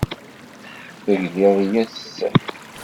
Tegliḍ yes-s.